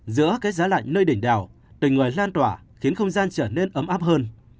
giữa cái giá lạnh nơi đỉnh đảo tình người lan tỏa khiến không gian trở nên ấm áp hơn